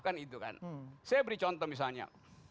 saya beri contoh misalnya